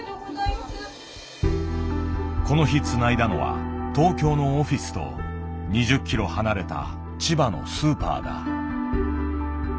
この日つないだのは東京のオフィスと２０ｋｍ離れた千葉のスーパーだ。